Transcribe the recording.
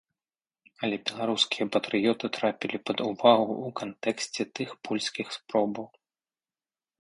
Але беларускія патрыёты трапілі пад увагу ў кантэксце тых польскіх спробаў.